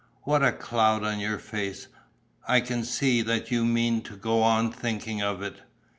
What a cloud on your face! I can see that you mean to go on thinking of it."